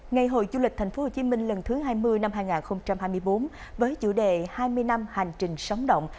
ngày hội du lịch tp hcm lần thứ hai mươi năm hai nghìn hai mươi bốn với chủ đề hai mươi năm hành trình sóng động